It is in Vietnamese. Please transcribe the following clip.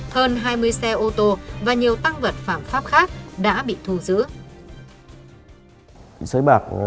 hơn hai mươi xe ô tô và nhiều tăng vật phạm pháp khác đã bị thu giữ